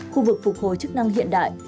khu vực phục hồi chức năng hiện đại